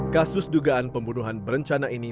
kasus dugaan pembunuhan berencana ini